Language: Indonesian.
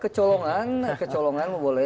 kecolongan kecolongan boleh